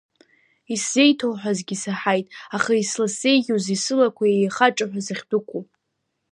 Исзеиҭоуҳәазгьы саҳаит, аха изласзеиӷьузеи сылақәа еихаҿаҳәа сахьдәықәу?